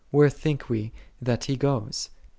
Where think we that He goeth?